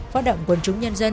phát động quân chúng nhân dân